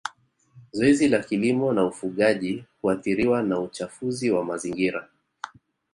Zoezi la kilimo na ufugaji huathiriwa na uchafuzi wa mazingira